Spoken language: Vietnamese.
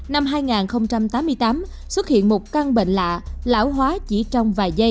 năm hai nghìn tám mươi tám xuất hiện một căn bệnh lạ lão hóa chỉ trong vài giâ